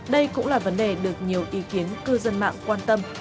đây cũng là vấn đề được nhiều ý kiến cư dân mạng quan tâm